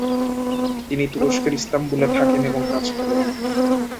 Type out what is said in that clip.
তিনি তুরস্কের ইস্তাম্বুলে থাকেন এবং কাজ করেন।